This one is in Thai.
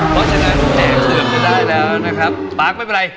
ก็จะได้แล้วนะครับ